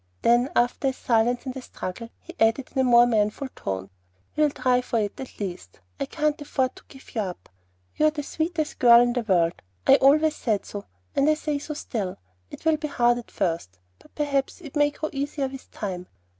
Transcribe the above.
Then, after a silence and a struggle, he added in a more manful tone, "We'll try for it, at least. I can't afford to give you up. You're the sweetest girl in the world. I always said so, and I say so still. It will be hard at first, but perhaps it may grow easier with time."